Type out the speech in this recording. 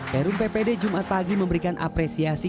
perum ppd jumat pagi memberikan apresiasi